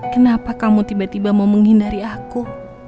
kenapa kamu tiba tiba mau menghindari aku